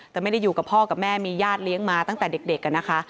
แต่ไม่ได้อยู่กับพ่อกับแม่มีญาติเลี้ยงมาตั้งแต่เด็กนะคะ